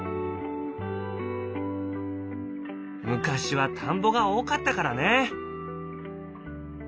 昔は田んぼが多かったからね。